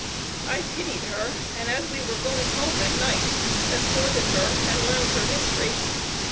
I pitied her, and as we were going home at night escorted her and learned her history.